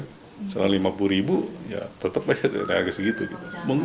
misalnya lima puluh ribu ya tetep aja harga segitu gitu